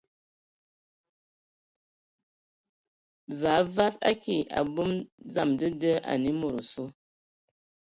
Və a vas, a ki ! Abom dzam dəda anə e mod osu.